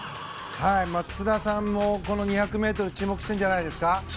松田さんもこの２００ｍ注目してるんじゃないですか？